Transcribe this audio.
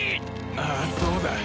ああそうだ。